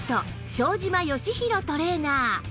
庄島義博トレーナー